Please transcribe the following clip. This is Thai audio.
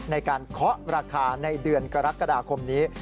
เคาะราคาในเดือนกรกฎาคมนี้